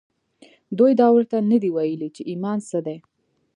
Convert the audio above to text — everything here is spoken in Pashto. دوی دا ورته نه دي ویلي چې ایمان څه دی